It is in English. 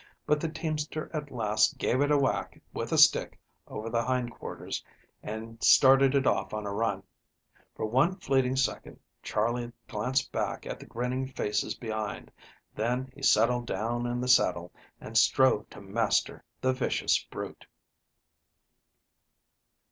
But the teamster at last gave it a whack with a stick over the hind quarters and started it off on a run. For one fleeting second Charley glanced back at the grinning faces behind, then he settled down in the saddle and strove to master the vicious brute.